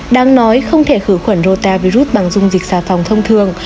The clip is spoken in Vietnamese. đáng nói không thể khử khuẩn rotavirus bằng dung dịch xà phòng thông thường